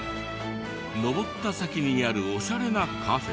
登った先にあるオシャレなカフェ。